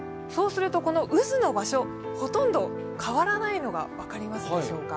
この渦の場所、ほとんど変わらないのが分かりますでしょうか。